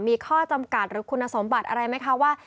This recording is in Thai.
มีข้อจำกัดหรือคุณสมบัติอะไรไหมคะว่า